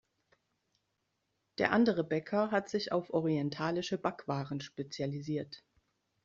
Der andere Bäcker hat sich auf orientalische Backwaren spezialisiert.